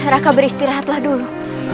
raka beristirahatlah dulu